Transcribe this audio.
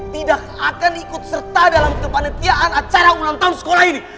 tidak akan ikut serta dalam kepanitiaan acara ulang tahun sekolah ini